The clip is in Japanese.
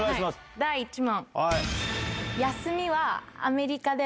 第１問。